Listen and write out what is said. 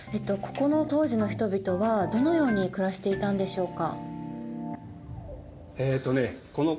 ここの当時の人々はどのように暮らしていたんでしょうか。